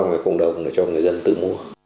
ngoài cộng đồng để cho người dân tự mua